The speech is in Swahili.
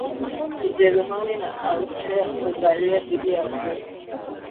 Ujerumani na Austria Hungaria dhidi ya Urusi